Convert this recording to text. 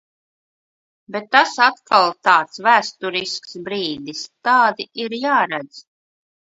Bet tas atkal tāds vēsturisks brīdis, tādi ir jāredz.